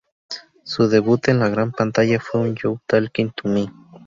Su debut en la gran pantalla fue en "You Talkin' to Me?